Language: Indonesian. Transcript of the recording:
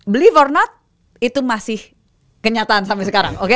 believe or not itu masih kenyataan sampai sekarang oke